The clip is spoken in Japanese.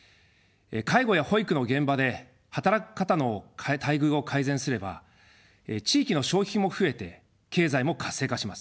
介護や保育の現場で働く方の待遇を改善すれば地域の消費も増えて経済も活性化します。